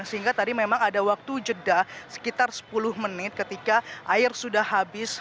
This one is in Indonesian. sehingga tadi memang ada waktu jeda sekitar sepuluh menit ketika air sudah habis